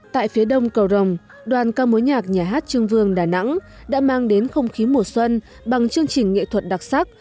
tại phía đông cầu rồng đoàn ca mối nhạc nhà hát trương vương đà nẵng đã mang đến không khí mùa xuân bằng chương trình nghệ thuật đặc sắc